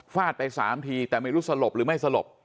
ไป๓ทีแต่ไม่รู้สลบหรือไม่สลบ